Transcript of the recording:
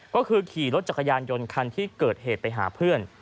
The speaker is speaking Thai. ก็คือขี่รถจักรยานยนต์คันที่เกิดเหตุไปหาเพื่อน